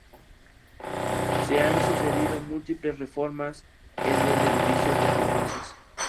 Se han sucedido múltiples reformas en el edificio desde entonces.